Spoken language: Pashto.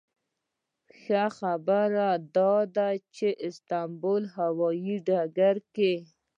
ښه خبره داده چې د استانبول په هوایي ډګر کې.